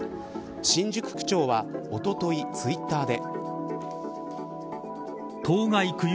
新宿区長はおととい、ツイッターで。